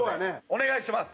お願いします！